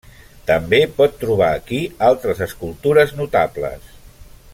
També pot trobar aquí altres escultures notables.